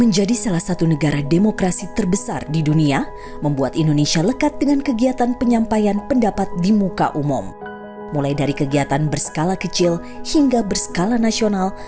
jangan sampai nanti penyampaian pendapat di muka umum yang tulus yang baik